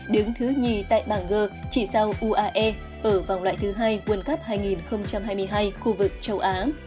đứng thứ hai tại bảng g chỉ sau uae ở vòng loại thứ hai world cup hai nghìn hai mươi hai khu vực châu á